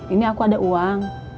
ini aku ada uang